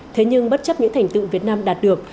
thế nhưng bất chấp những thành tựu việt nam đạt được